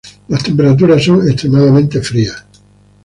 Las temperaturas son extremadamente frías.